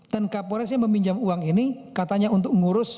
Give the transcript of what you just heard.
dan kapolisnya meminjam uang ini katanya untuk ngurus